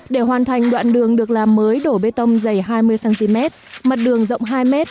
để hoàn thành đoạn đường được làm mới đổ bê tông dày hai mươi cm mặt đường rộng hai m